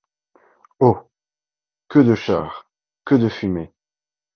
Oh ! que de chars ! que de fumée !